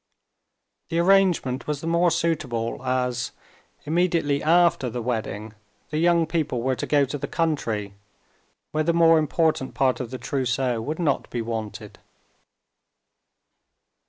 The arrangement was the more suitable as, immediately after the wedding, the young people were to go to the country, where the more important part of the trousseau would not be wanted.